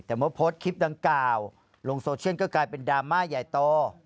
แต่ถ้าโพสต์คลิปทั้ง๙ตอนลงโซเชียลก็กลายเป็นดราม่าใหญ่โต